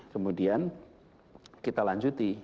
kemudian kita lanjuti